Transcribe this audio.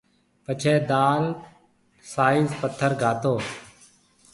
پڇيَ دال سائز پٿر گھاتو